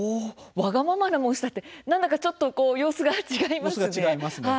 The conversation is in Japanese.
わがままな申し立て何だか、ちょっと様子が違いますよね。